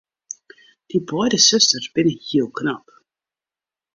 Dy beide susters binne hiel knap.